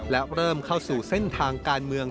และเริ่มเข้าสู่เส้นทางการเมือง